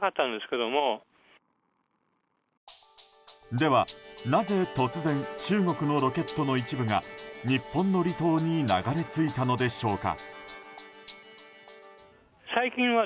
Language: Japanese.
では、なぜ突然中国のロケットの一部が日本の離島に流れ着いたのでしょうか？